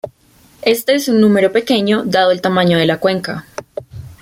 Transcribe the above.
Este es un número pequeño dado el tamaño de la cuenca.